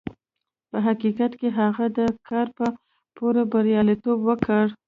په حقيقت کې هغه دا کار په پوره برياليتوب وکړ.